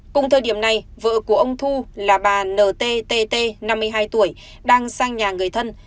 cùng thời điểm này vợ của ông thu là bà ntt năm mươi hai tuổi đang sang nhà người thân